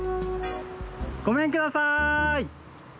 ごめんくださーい！